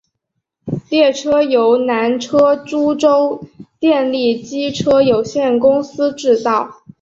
列车由南车株洲电力机车有限公司制造。